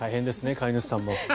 飼い主さんも。